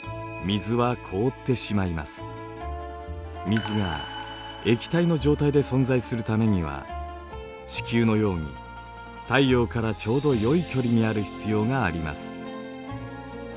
水が液体の状態で存在するためには地球のように太陽からちょうどよい距離にある必要があります。